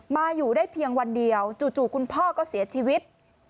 มาอยู่ได้เพียงวันเดียวจู่คุณพ่อก็เสียชีวิต